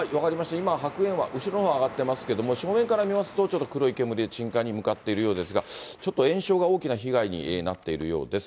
今、白煙は、後ろのほうは上がっていますけれども、正面から見ますとちょっと黒い煙、鎮火に向かっているようですが、ちょっと延焼が大きな被害になっているようです。